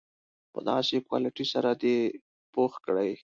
په داسې کوالیټي سره دې پوخ کړي.